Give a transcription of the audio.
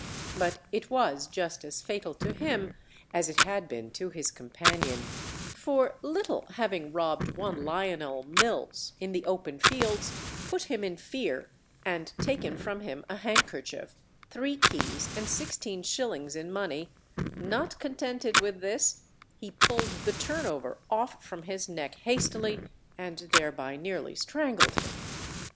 But it was just as fatal to him as it had been to his companion; for Little having robbed one Lionel Mills in the open fields, put him in fear, and taken from him a handkerchief, three keys and sixteen shillings in money, not contented with this he pulled the turnover off from his neck hastily, and thereby nearly strangled him.